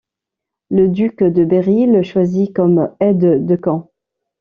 Le duc de Berry le choisit comme aide de camp.